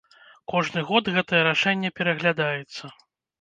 Кожны год гэтае рашэнне пераглядаецца.